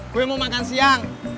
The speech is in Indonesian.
gua mau makan siang